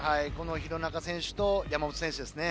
弘中選手と山本選手ですね。